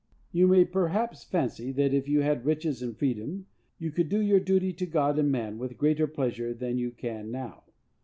You may perhaps fancy that, if you had riches and freedom, you could do your duty to God and man with greater pleasure than you can now.